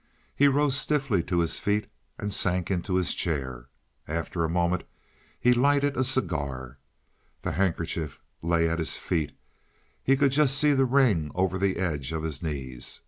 He rose stiffly to his feet and sank into his chair. After a moment he lighted a cigar. The handkerchief lay at his feet; he could just see the ring over the edge of his knees.